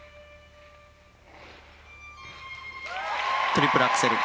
トリプルアクセル。